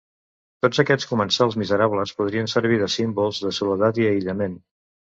Tots aquests comensals miserables podrien servir de símbols de soledat i aïllament.